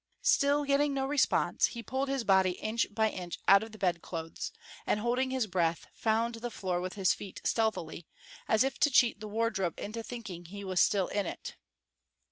Still getting no response he pulled his body inch by inch out of the bed clothes, and holding his breath, found the floor with his feet stealthily, as if to cheat the wardrobe into thinking that he was still in it.